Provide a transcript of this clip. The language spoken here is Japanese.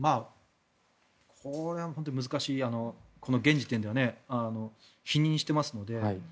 これは本当に難しい現時点では否認してますので。